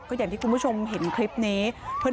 ก็อย่างที่คุณผู้ชมเห็นคลิปนี้